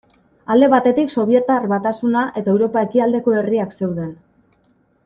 Alde batetik Sobietar Batasuna eta Europa ekialdeko herriak zeuden.